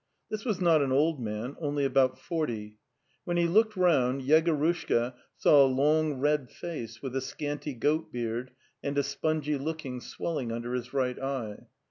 'This was not an old man, only about forty. When he looked round Yegorushka saw a long red face with a scanty goat beard and a spongy looking swelling under his right eye.